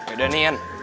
yaudah nih ian